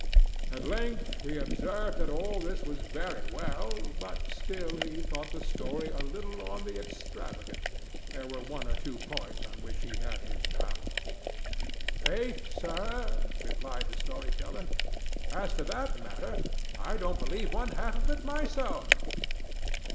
At length he observed that all this was very well, but still he thought the story a little on the extravagant there were one or two points on which he had his doubts. "Faith, sir," replied the story teller, "as to that matter, I don't believe one half of it myself."